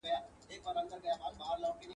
زموږ د خپل تربور په وینو د زمان ژرنده چلیږي !.